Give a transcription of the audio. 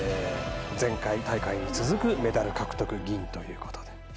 前回大会に続くメダル獲得銀ということで。